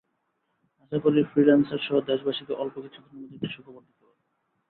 আশা করি ফ্রিল্যান্সারসহ দেশবাসীকে অল্প কিছুদিনের মধ্যে একটি সুখবর দিতে পারব।